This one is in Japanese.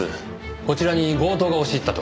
こちらに強盗が押し入ったと。